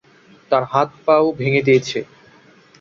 তার হাত পা ও ভেঙে দিয়েছে।